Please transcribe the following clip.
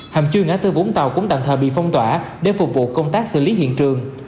hầm chui ngã tư vũng tàu cũng tạm thời bị phong tỏa để phục vụ công tác xử lý hiện trường